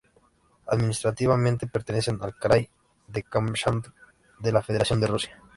Administrativamente pertenecen al krai de Kamchatka de la Federación de Rusia.